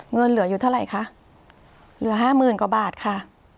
เงินเหลืออยู่เท่าไหร่คะเหลือห้าหมื่นกว่าบาทค่ะ